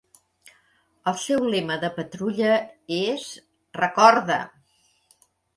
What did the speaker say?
El seu lema de patrulla és "Recorda!".